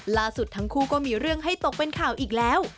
ล่าสุดทั้งคู่ก็มีเรื่องให้ตกเป็นข่าวอีกแล้ว